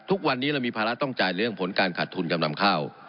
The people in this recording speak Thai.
ทุกวันนี้เรามีภาระต้องจ่ายเรื่องผลการขาดทุนจำนำข้าว